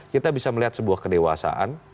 kita bisa melihat sebuah kedewasaan